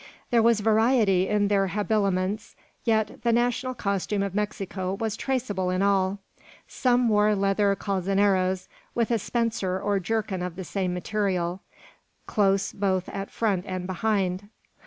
There was variety in their habiliments, yet the national costume of Mexico was traceable in all. Some wore leather calzoneros, with a spencer or jerkin of the same material, close both at front and behind.